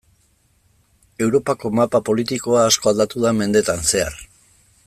Europako mapa politikoa asko aldatu da mendeetan zehar.